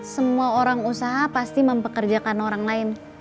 semua orang usaha pasti mempekerjakan orang lain